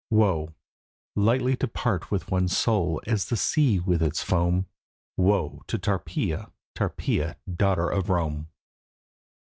WOE: lightly to part with one's soul as the sea with its foam! Woe to Tarpeia, Tarpeia, daughter of Rome!